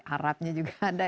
arabnya juga ada